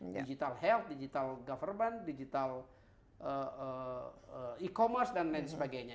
digital health digital government digital e commerce dan lain sebagainya